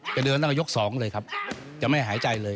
จะเดินตั้งแต่ยก๒เลยครับจะไม่หายใจเลย